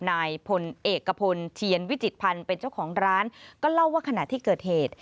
นายพลเอกพลเทียนวิจิตภัณฑ์เป็นเจ้าของร้านก็เล่าว่าขณะที่เกิดเหตุ